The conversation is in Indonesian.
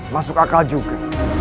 masuk akal juga